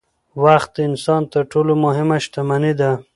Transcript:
وخت د انسان تر ټولو مهمه شتمني ده